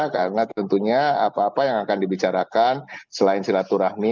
karena tentunya apa apa yang akan dibicarakan selain silaturahmi